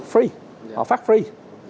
họ phát free